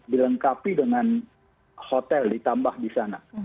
dilengkapi dengan hotel ditambah di sana